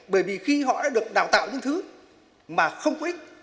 bởi vì khi họ đã được đào tạo những thứ mà không có ích